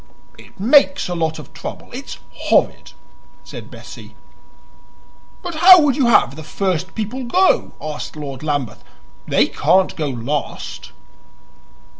"It makes a lot of trouble. It's horrid," said Bessie. "But how would you have the first people go?" asked Lord Lambeth. "They can't go last."